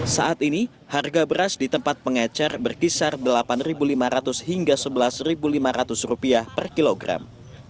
saat ini harga beras di tempat pengecar berkisar rp delapan lima ratus hingga rp sebelas lima ratus per kilogram